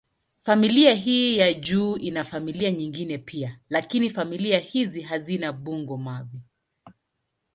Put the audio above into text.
Familia hii ya juu ina familia nyingine pia, lakini familia hizi hazina bungo-mavi.